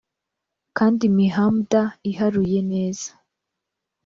kandi imihamda iharuye neza